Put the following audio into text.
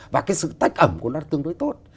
và cái sự tách ẩm của nó tương đối tốt